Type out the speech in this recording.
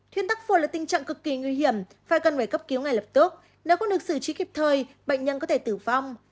thuyên tắc là tình trạng cực kỳ nguy hiểm phải cần phải cấp cứu ngay lập tức nếu không được xử trí kịp thời bệnh nhân có thể tử vong